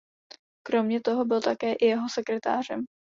Kromě toho byl také i jeho sekretářem.